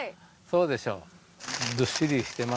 そうでしょう。